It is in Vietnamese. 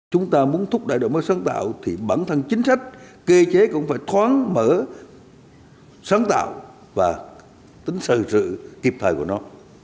chúng ta muốn thúc đẩy đổi mới sáng tạo thì bản thân chính sách cơ chế cũng phải thoáng mở sáng tạo và tính thời sự kịp thời của nó